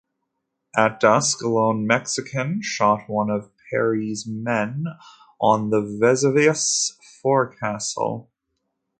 At dusk, a lone Mexican shot one of Perry's men on the "Vesuvius's" forecastle.